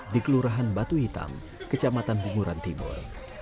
di kelurahan batu hitam kecamatan bunguran timur